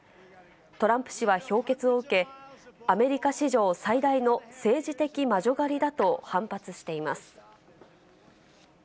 トランプ氏は評決を受け、アメリカ史上最大の政治的魔女狩りだと反発しています。